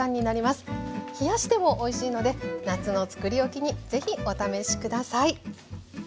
冷やしてもおいしいので夏のつくり置きに是非お試し下さい。